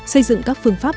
xây dựng các phương pháp